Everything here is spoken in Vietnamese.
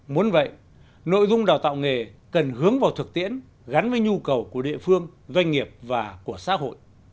muốn vậy nội dung đào tạo nghề cần hướng vào thực tiễn gắn với nhu cầu của địa phương doanh nghiệp và của xã hội